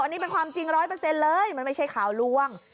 อันนี้เป็นความจริงร้อยเปอร์เซ็นต์เลยมันไม่ใช่ข่าวล่วง